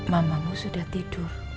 mamamu sudah tidur